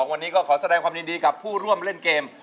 วันนี้ก็ขอแสดงความยินดีกับผู้ร่วมเล่นเกม